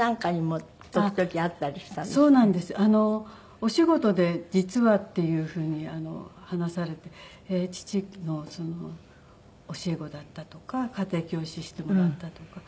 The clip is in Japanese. お仕事で実はっていうふうに話されて父の教え子だったとか家庭教師してもらったとか。